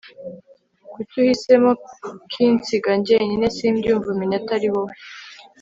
kuki uhisemo kinsiga njyenyine simbyumva umenya atari wowe